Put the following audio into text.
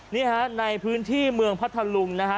นี่ฮะในพื้นที่เมืองพัทธลุงนะฮะ